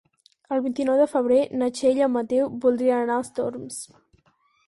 El vint-i-nou de febrer na Txell i en Mateu voldrien anar als Torms.